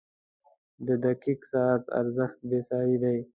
• د دقیق ساعت ارزښت بېساری دی.